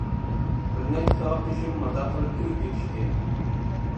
بىر نەچچە ساۋاقدىشىم مازاق قىلىپ كۈلۈپ كېتىشتى.